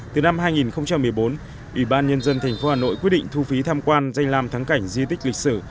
từ năm hai nghìn một mươi bốn ủy ban nhân dân tp hà nội quyết định thu phí tham quan danh làm thắng cảnh di tích lịch sử